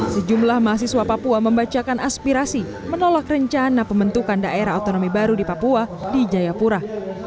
sejumlah mahasiswa papua membacakan aspirasi menolak rencana pembentukan daerah otonomi baru di papua di jayapura